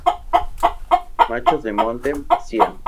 Machos de Monte, Cía.